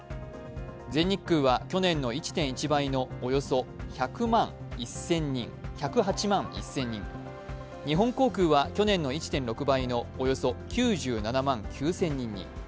全日空は去年の１．１倍のおよそ１０８万１０００人日本航空は去年の１．６倍の９６万６０００人に。